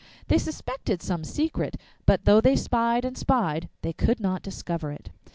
They suspected some secret, but though they spied and spied, they could not discover it.